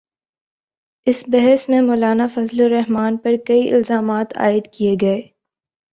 اس بحث میں مولانافضل الرحمن پر کئی الزامات عائد کئے گئے،